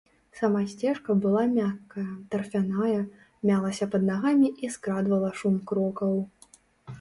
Сама сцежка была мяккая, тарфяная, мялася пад нагамі і скрадвала шум крокаў.